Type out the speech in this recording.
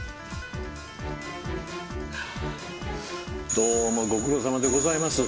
どうもご苦労さまでございます。